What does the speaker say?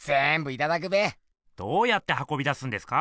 どうやってはこび出すんですか？